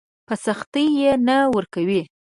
په سختي يې نه ورکوي.